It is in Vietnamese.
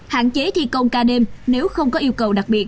hạn chế thi công ca đêm nếu không có yêu cầu đặc biệt